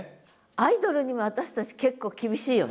アイドルにも私たち結構厳しいよね。